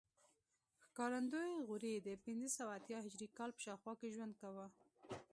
ښکارندوی غوري د پنځه سوه اتیا هجري کال په شاوخوا کې ژوند کاوه